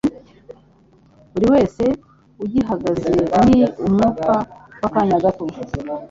Buri wese ugihagaze ni umwuka w’akanya gato